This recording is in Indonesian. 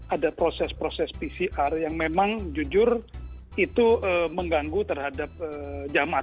ada proses proses pcr yang memang jujur itu mengganggu terhadap jamat